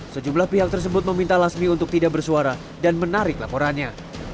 sejumlah pihak tersebut meminta lasmi untuk tidak bersuara dan menarik laporannya